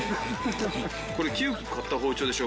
これ急きょ買った包丁でしょ？